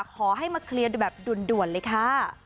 ขอให้มาเคลียร์แบบด่วนเลยค่ะ